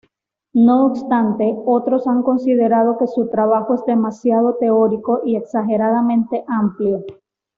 No obstante, otros han considerado que su trabajo es demasiado teórico y exageradamente amplio.